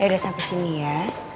yaudah sampai sini ya